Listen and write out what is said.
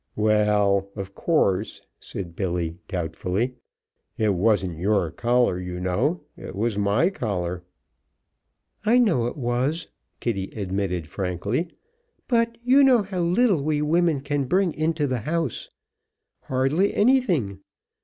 "Well, of course," said Billy, doubtfully, "it wasn't your collar, you know. It was my collar." "I know it was," Kitty admitted frankly, "but you know how little we women can bring into the house. Hardly anything.